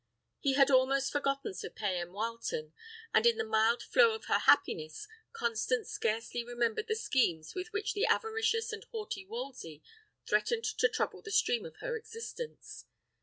He had almost forgotten Sir Payan Wileton; and in the mild flow of her happiness, Constance scarcely remembered the schemes with which the avaricious and haughty Wolsey threatened to trouble the stream of her existence.